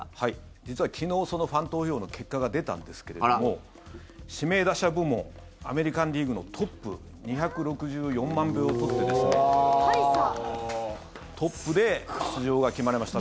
実は昨日そのファン投票の結果が出たんですけれども指名打者部門アメリカン・リーグのトップ２６４万票を取ってですねトップで出場が決まりました。